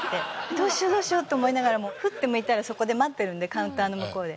どうしようどうしようと思いながらもふっと向いたらそこで待ってるんでカウンターの向こうで。